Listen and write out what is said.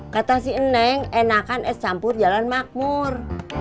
kata si eneng enakan es campur jalan makmur